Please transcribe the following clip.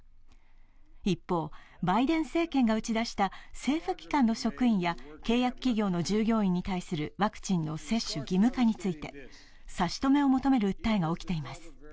一方、バイデン政権が打ち出した政府機関の職員や契約企業の従業員に対するワクチンの接種義務化について、差し止めを求める訴えが起きています。